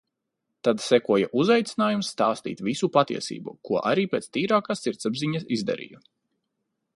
Tad sekoja uzaicinājums stāstīt visu patiesību, ko arī pēc tīrākās sirdsapziņas izdarīju.